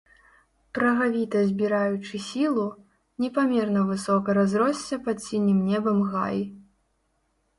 Прагавіта збіраючы сілу, непамерна высока разросся пад сінім небам гай.